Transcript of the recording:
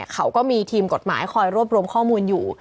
เขาก็มีทีมกฎหมายคอยรวบรวมข้อมูลอยู่